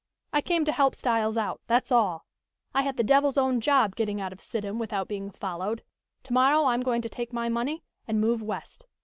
I came to help Styles out, that's all. I had the devil's own job getting out of Sidham without being followed. To morrow I am going to take my money and move West.